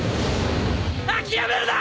諦めるな！